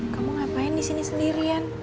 kamu ngapain disini sendirian